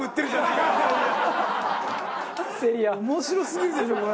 面白すぎるでしょこれ。